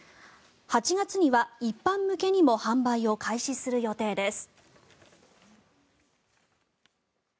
８月には一般向けにも販売を開始する予定です。